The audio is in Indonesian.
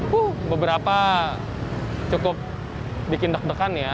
wuh beberapa cukup dikindah dekan ya